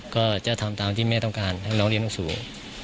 ก็จะทำตามที่แม่ต้องการให้น้องเรียนหนังสือ